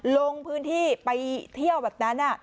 ลงพื้นที่ไปเที่ยวแบบนั้น